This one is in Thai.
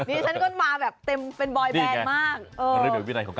นี่ฉันก็มาแบบเต็มเป็นบอยแบรนด์มาก